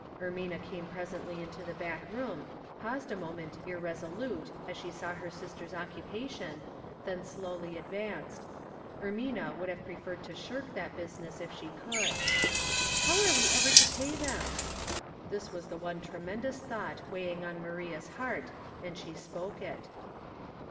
" Ermina came presently into the back room, paused a moment irresolute as she saw her sis ter's occupation, then slowly advanced. Ermina would have preferred to shirk that business if she could. '' How are we ever to pay them ?" This was the one tremendous thought weigh ing on Maria's heart, and she spoke it.